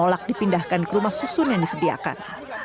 menolak dipindahkan ke rumah susun yang disediakan